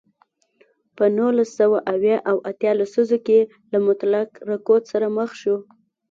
په نولس سوه اویا او اتیا لسیزو کې له مطلق رکود سره مخ شو.